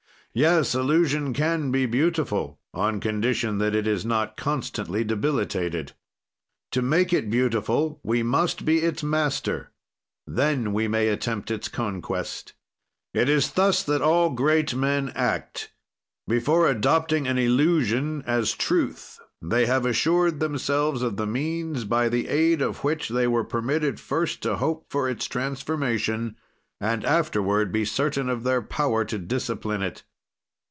"Yes, illusion can be beautiful, on condition that it is not constantly debilitated. "To make it beautiful we must be its master, then we may attempt its conquest. "It is thus that all great men act; before adopting an illusion, as truth, they have assured themselves of the means by the aid of which they were permitted first to hope for its transformation and afterward be certain of their power to discipline it.